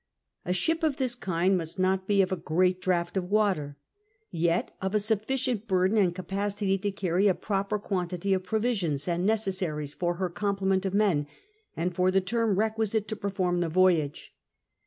A ship of this kind must not be of a great draught of water, yet of a sufficient burden and capacity to carry a proper quantity of provisions and necessaries for her complement of men, and for the term requisite to perform the voyage.